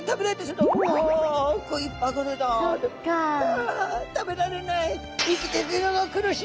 ああ食べられない。